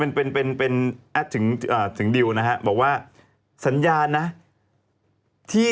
เห็นลอยยิ้มหวานแบบนี้